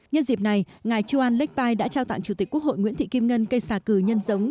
nhân dịp này ngài chuan lek pai đã trao tặng chủ tịch quốc hội nguyễn thị kim ngân cây xà cừ nhân giống